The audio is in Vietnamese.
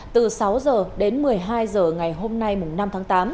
từ sáu h đến một mươi hai h ngày hôm nay năm tháng tám